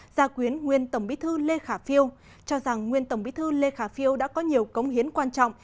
gia quyến nguyên tổng bí thư lê khả phiêu cho rằng nguyên tổng bí thư lê khả phiêu đã có nhiều cống hiến quan trọng